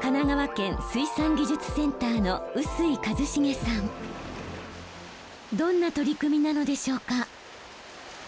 神奈川県水産技術センターのどんな取り組みなのでしょうか？